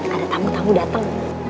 ada tamu tamu dateng